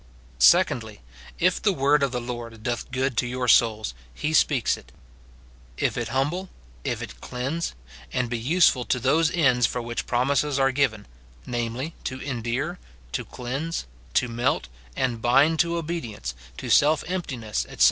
Secondly, If the word of the Lord doth good to your souls, he speaks it ; if it humble, if it cleanse, and be useful to those ends for which promises are given, — namely, to endear, to cleanse, to melt and bind to obe dience, to self emptiness, etc.